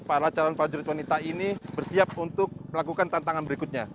para calon prajurit wanita ini bersiap untuk melakukan tantangan berikutnya